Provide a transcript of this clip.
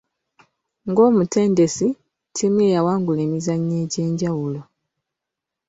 Ng'omutendesi, ttiimu ye yawangula emizannyo egy'enjawulo.